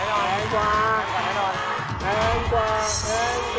แข็งกว่าแข็งกว่า